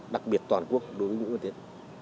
đặc biệt toàn quốc đối với nguyễn quân tiến